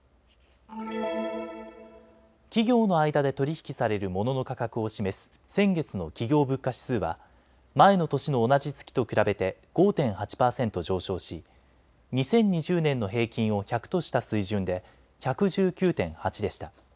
企業の間で取り引きされるモノの価格を示す先月の企業物価指数は前の年の同じ月と比べて５．８％上昇し、２０２０年の平均を１００とした水準で１１９．８でした。